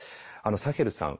サヘルさん